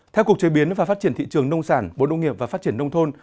theo cục chế biến và phát triển thị trường nông sản bộ nông nghiệp và phát triển nông thôn